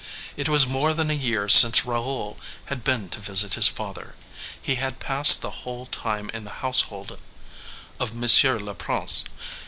It was more than a year since Raoul had been to visit his father. He had passed the whole time in the household of M. le Prince.